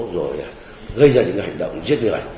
rồi gây ra những hành động giết người